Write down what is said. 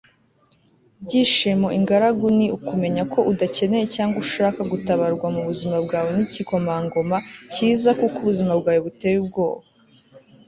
byishimo ingaragu ni ukumenya ko udakeneye cyangwa ushaka gutabarwa mubuzima bwawe nigikomangoma cyiza kuko ubuzima bwawe buteye ubwoba